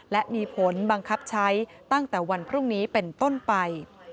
และมีผลบังคับใช้ตั้งแต่วันพรุ่งนี้เป็นต้นไป